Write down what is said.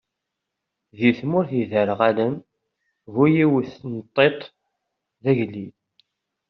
Di tmurt iderɣalen, bu-yiwet n tiṭ d agellid.